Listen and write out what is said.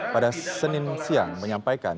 pada senin siang menyampaikan